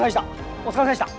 お疲れさまでした。